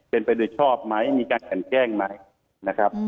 เป็นประโยชน์ชอบไหมมีการแข่งแกล้งไหมนะครับ